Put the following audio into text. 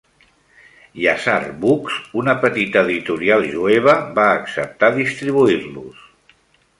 Yashar Books, una petita editorial jueva, va acceptar distribuir-los.